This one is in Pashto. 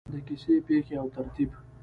د کیسې پیښې او ترتیب: